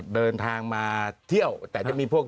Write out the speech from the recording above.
เดินทางมาเที่ยวแต่จะมีพวก